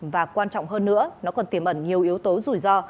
và quan trọng hơn nữa nó còn tiềm ẩn nhiều yếu tố rủi ro